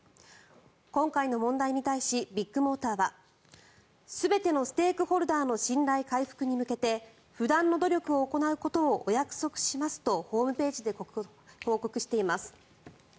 今回の問題に対しビッグモーターは全てのステークホルダーの信頼回復に向けて不断の努力を行うことをお約束しますとホームページで報告しています。